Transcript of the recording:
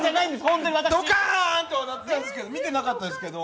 ドカーンとは鳴ってましたけど、見てなかったですけど。